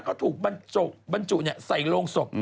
เขาถูกบรรจุใส่โรงศพ